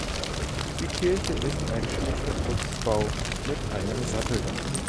Die Kirche ist ein schlichter Putzbau mit einem Satteldach.